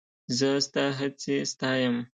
زه ستا هڅې ستایم.